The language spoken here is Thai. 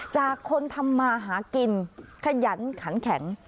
จากคนทำมาหากินขยันขันแข็ง